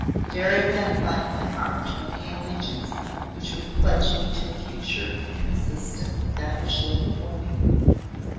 Dare I then bind my heart to any allegiance which would pledge me to a future inconsistent with what lay before me?